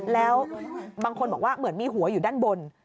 แล้วบางคนบอกว่าเหมือนมีหัวอยู่ด้านบน